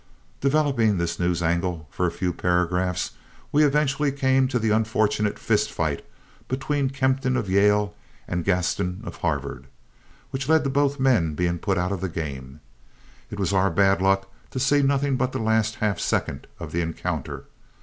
Developing this news angle for a few paragraphs, we eventually came to the unfortunate fist fight between Kempton of Yale and Gaston of Harvard which led to both men being put out of the game. It was our bad luck to see nothing but the last half second of the encounter.